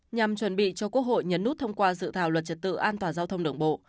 nhằm chuẩn bị cho quốc hội nhấn nút thông qua dự thảo luật trật tự an toàn giao thông đường bộ